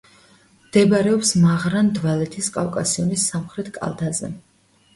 მდებარეობს მაღრან-დვალეთის კავკასიონის სამხრეთ კალთაზე.